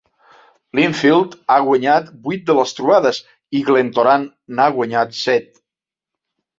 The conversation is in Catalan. Linfield ha guanyat vuit de les trobades i Glentoran n'ha guanyat set.